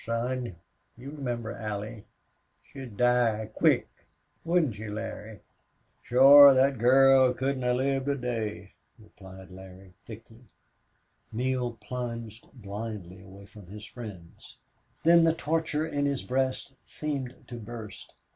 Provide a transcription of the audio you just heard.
"Son! You remember Allie. She'd die, quick!... Wouldn't she, Larry?" "Shore. Thet girl couldn't hev lived a day," replied Larry, thickly. Neale plunged blindly away from his friends. Then the torture in his breast seemed to burst.